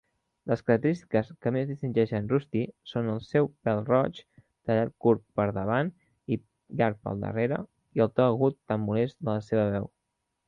Les característiques que més distingeixen Rusty són el seu pèl roig, tallat curt pel davant i llarg pel darrere, i el to agut tan molest de la seva veu.